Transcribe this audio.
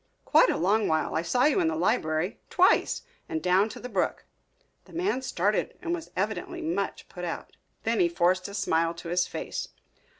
"Quite a long while. I saw you in the library, twice, and down to the brook." The man started and was evidently much put out. Then he forced a smile to his face.